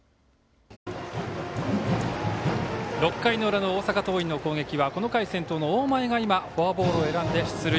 ６回の裏の大阪桐蔭の攻撃はこの回先頭の大前がフォアボールを選んで出塁。